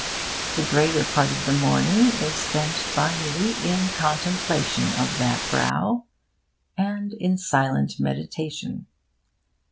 The greater part of the morning is spent by me in contemplation of that brow, and in silent meditation.